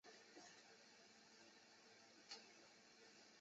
拉登堡出生于德国曼海姆一个著名的犹太人家庭。